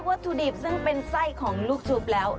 ได้วัตถุดิบซึ่งเป็นใส่ของลูกจุบแล้ว